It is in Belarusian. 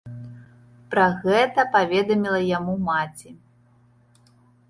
Пра гэта паведаміла яму маці.